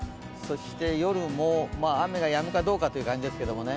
夜も雨がやむかどうかという感じですけどね。